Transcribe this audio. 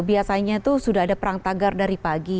biasanya itu sudah ada perang tagar dari pagi